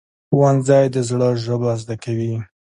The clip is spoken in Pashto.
ښوونځی د زړه ژبه زده کوي